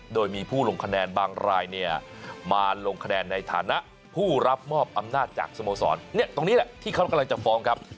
โดยมีผู้ลงคะแนนบางรายเนี่ยมาลงคะแนนในฐานะผู้รับมอบอำนาจจากสโมสรตรงนี้แหละที่เขากำลังจะฟ้องครับ